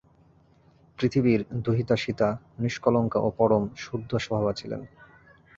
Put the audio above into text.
পৃথিবীর দুহিতা সীতা নিষ্কলঙ্কা ও পরম শুদ্ধস্বভাবা ছিলেন।